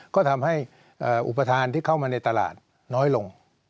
ก็ทำให้อุปทานที่เข้ามาในตลาดน้อยลง